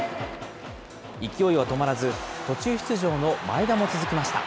勢いは止まらず、途中出場の前田も続きました。